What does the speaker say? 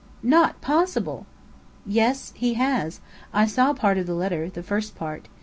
"Not possible!" "Yes. He has. I saw part of the letter the first part.